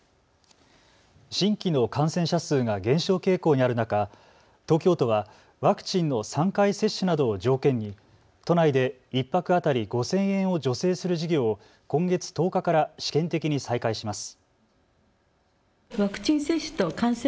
新規の感染者数が減少傾向にある中、東京都はワクチンの３回接種などを条件に都内で１泊当たり５０００円を助成する事業を今月１０日から試験的に再開します。